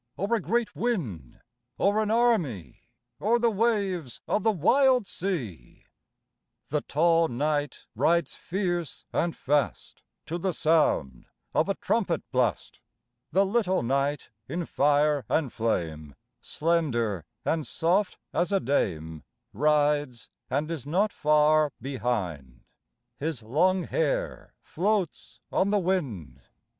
Or a great wind, or an army, Or the waves of the wild sea ? The tall knight rides fierce and fast To the sound of a trumpet blast. The little knight in fire and flame, Slender and soft as a dame, Rides and is not far behind : His long hair floats on the wind.